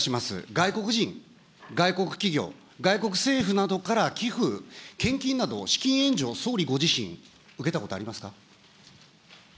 外国人、外国企業、外国政府などから寄付、献金など、資金援助を総理ご自身、受けたことありますか。